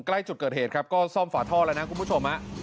ใกล้จุดเกิดเหตุครับก็ซ่อมฝาท่อแล้วนะ